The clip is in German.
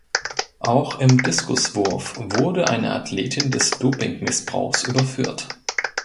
Auch im Diskuswurf wurde eine Athletin des Dopingmissbrauchs überführt.